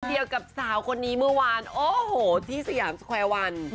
เดียวกับสาวคนนี้เมื่อวานโอ้โหที่สยามสแควร์วัน